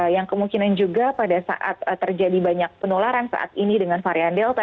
yang kemungkinan juga pada saat terjadi banyak penularan saat ini dengan varian delta